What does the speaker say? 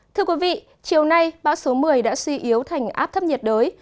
thưa quý vị chiều nay bão số một mươi đã suy yếu thành áp thấp nhiệt đới